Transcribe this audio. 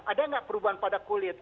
ada nggak perubahan pada kulit